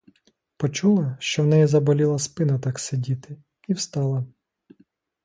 Почула, що в неї заболіла спина так сидіти, і встала.